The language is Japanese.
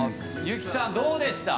優希さんどうでした？